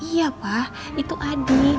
iya pak itu adi